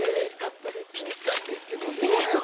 ぴったりですけどね。